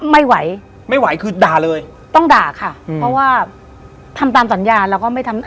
ไม่ไหวไม่ไหวคือด่าเลยต้องด่าค่ะเพราะว่าทำตามสัญญาแล้วก็ไม่ทำ